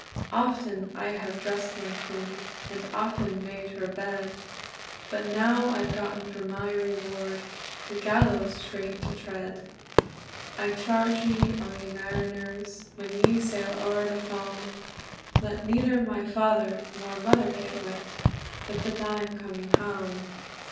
"Often have I dressd my queen, And often made her bed: But now I've gotten for my reward The gallows tree to tread. "I charge ye all, ye mariners, When ye sail ower the faem, Let neither my father nor mother get wit, But that I'm coming hame.